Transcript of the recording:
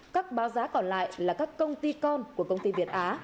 các báo giá còn lại là các công ty con của công ty việt á